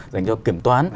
dành cho kiểm toán